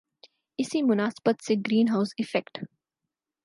اسی مناسبت سے گرین ہاؤس ایفیکٹ